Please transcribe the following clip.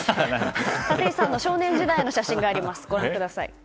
立石さんの少年時代の写真があります。